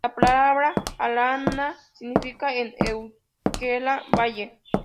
La palabra "arana" significa en euskera "valle".